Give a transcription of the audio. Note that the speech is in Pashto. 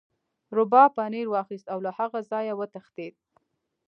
روباه پنیر واخیست او له هغه ځایه وتښتید.